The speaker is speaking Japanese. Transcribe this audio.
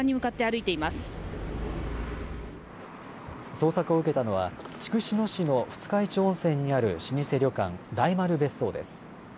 捜索を受けたのは筑紫野市の二日市温泉にある老舗旅館、大丸別荘です。